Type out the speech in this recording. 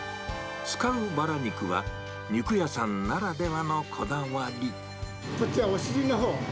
使うバラ肉は、こっちはお尻のほう。